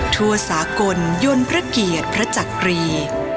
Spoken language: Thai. ทั่วสากลยนต์พระเกียรติพระจักรี